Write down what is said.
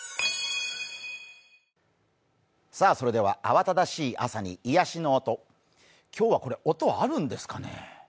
慌ただしい朝に癒やしの音、今日は音はあるんですかね？